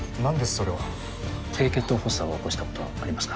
それは低血糖発作を起こしたことはありますか？